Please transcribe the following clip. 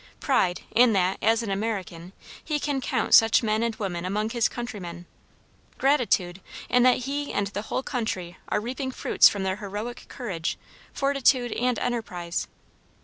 Pride, in that, as an American, he can count such men and women among his countrymen; gratitude, in that he and the whole country are reaping fruits from their heroic courage, fortitude, and enterprise.